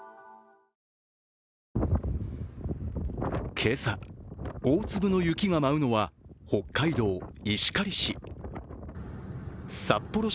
今朝、大粒の雪が舞うのは北海道石狩市。